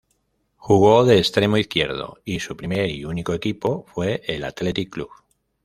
Jugó de extremo izquierdo y su primer y único equipo fue el Athletic Club.